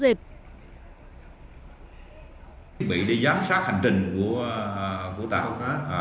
thiết bị đi giám sát hành trình của tàu cá